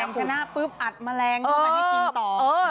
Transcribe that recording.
แข่งชนะปุ๊บอัดแมลงต้องการให้กินต่อ